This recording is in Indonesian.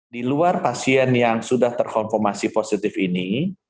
di luar pasien yang sudah terkonfirmasi positif ini